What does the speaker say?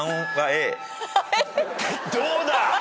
どうだ？